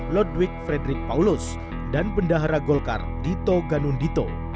ludwig fredrik paulus dan pendahara golkar dito ganundito